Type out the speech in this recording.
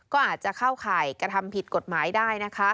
ก็อาจจะเข้าข่ายกระทำผิดกฎหมายได้นะคะ